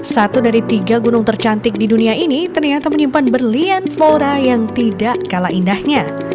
satu dari tiga gunung tercantik di dunia ini ternyata menyimpan berlian flora yang tidak kalah indahnya